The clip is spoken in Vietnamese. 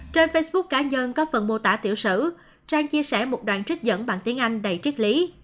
trên facebook cá nhân có phần mô tả tiểu sử trang chia sẻ một đoạn trích dẫn bằng tiếng anh đầy triết lý